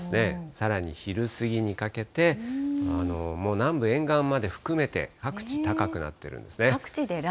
さらに昼過ぎにかけて、もう南部沿岸まで含めて各地、高くなってるんですね。